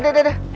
aduh dah dah